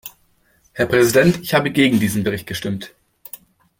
Herr Präsident, ich habe gegen diesen Bericht gestimmt.